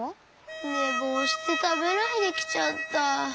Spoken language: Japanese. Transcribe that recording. ねぼうしてたべないできちゃった。